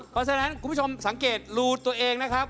เพราะฉะนั้นคุณผู้ชมสังเกตรูตัวเองนะครับ